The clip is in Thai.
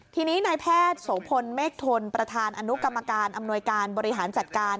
ทีนี้นายแพทย์โสพลเมฆทนประธานอนุกรรมการอำนวยการบริหารจัดการ